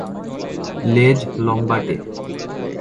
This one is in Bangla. লেজ লম্বাটে।